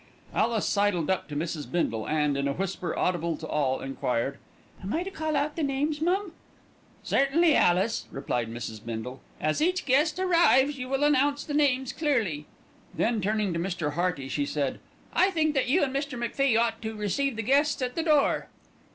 Alice sidled up to Mrs. Bindle and, in a whisper audible to all, enquired: "Am I to call out the names, mum?" "Certainly, Alice," replied Mrs. Bindle. "As each guest arrives you will announce the names clearly." Then turning to Mr. Hearty she said, "I think that you and Mr. MacFie ought to receive the guests at the door."